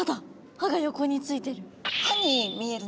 歯が横についてる。